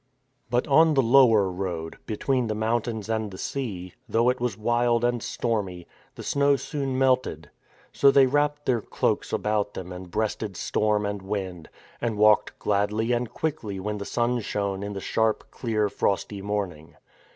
But on the lower road, between the mountains and the sea, though it was wild and stormy, the snow soon melted. So they wrapped their cloaks about them and breasted storm and wind; and walked gladly and quickly when the sun shone in the sharp, clear, frosty morning.